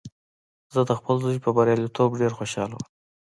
زه د خپل زوی په بریالیتوب ډېر خوشحاله وم